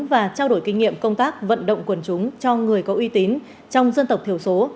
và trao đổi kinh nghiệm công tác vận động quần chúng cho người có uy tín trong dân tộc thiểu số